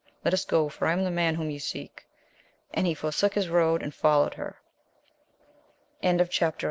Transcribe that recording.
Let us go, for I am the man whom ye seek. And he forsook his road, and followed her.